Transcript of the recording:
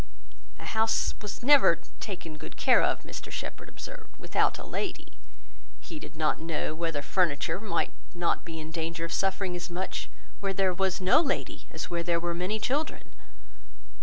A house was never taken good care of, Mr Shepherd observed, without a lady: he did not know, whether furniture might not be in danger of suffering as much where there was no lady, as where there were many children.